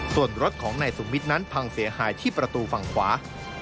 ส่วนรถของนายสุวิทย์นั้นพังเสียหายที่ประตูฝั่งขวา